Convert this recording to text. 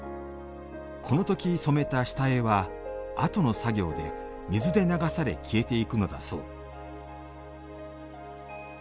この時染めた下絵は後の作業で水で流され消えていくのだそう。